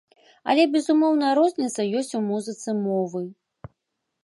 Але безумоўная розніца ёсць у музыцы мовы.